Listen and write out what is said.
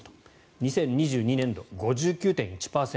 ２０２２年度、５９．１％。